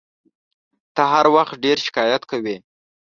ته هر وخت ډېر شکایت کوې !